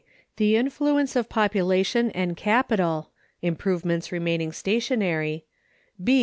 The Influence of Population and Capital (Improvements remaining stationary). B.